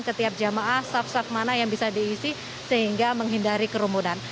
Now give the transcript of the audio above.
ke tiap jamaah saf saf mana yang bisa diisi sehingga menghindari kerumunan